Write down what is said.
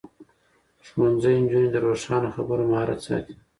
ښوونځی نجونې د روښانه خبرو مهارت ساتي.